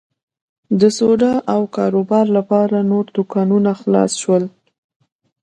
د سودا او کاروبار لپاره نور دوکانونه خلاص شول.